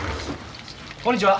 こんにちは。